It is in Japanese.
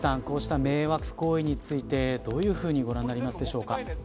こうした迷惑行為についてどういうふうにご覧になりますでしょうか。